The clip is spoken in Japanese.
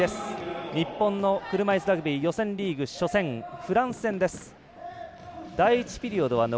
日本の車いすラグビー予選リーグ初戦、フランス戦です。